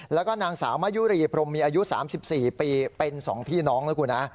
แล้วก็นางสาวมะยุรีพรมมีอายุ๓๔ปีเป็น๒พี่น้องนะคุณฮะ